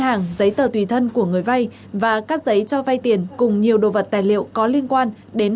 hàng giấy tờ tùy thân của người vay và các giấy cho vay tiền cùng nhiều đồ vật tài liệu có liên quan đến